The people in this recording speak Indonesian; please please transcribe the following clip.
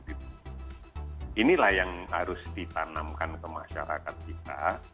inilah yang harus ditanamkan ke masyarakat kita